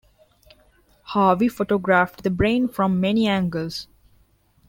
Harvey photographed the brain from many angles.